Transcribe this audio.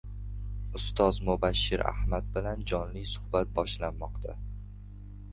Ustoz Mubashshir Ahmad bilan jonli suhbat boshlanmoqda